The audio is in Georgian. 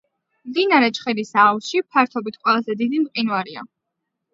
მდინარე ჩხერის აუზში ფართობით ყველაზე დიდი მყინვარია.